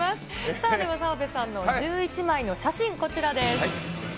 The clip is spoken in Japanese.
さあ、では澤部さんの１１枚の写真、こちらです。